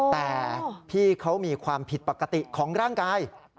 แต่พี่เขามีความผิดปกติของร่างกาย